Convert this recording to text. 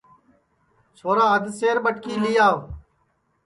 چھورا ادھ سیر ٻٹکی لی آوَ